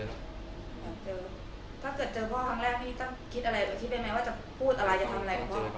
ถ้าเกิดเจอพ่อครั้งแรกนี่ถ้าคิดอะไรจะคิดได้ไหมว่าจะพูดอะไรจะทำอะไรกับพ่อ